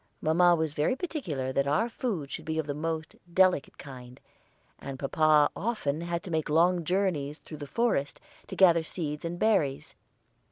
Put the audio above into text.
Mamma was very particular that our food should be of the most delicate kind, and papa often had to make long journeys through the forest to gather seeds and berries.